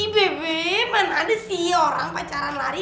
mana ada sih orang pacaran lari